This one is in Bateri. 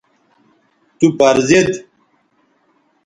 تو پر زید